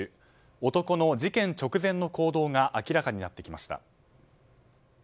男の事件直前の行動が明らかになってきました。